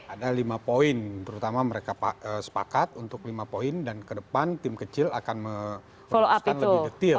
ada lima poin terutama mereka sepakat untuk lima poin dan ke depan tim kecil akan menjelaskan lebih detail